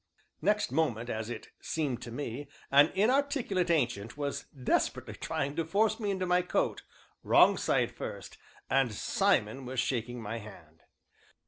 Next moment, as it seemed to me, an inarticulate Ancient was desperately trying to force me into my coat, wrong side first, and Simon was shaking my hand.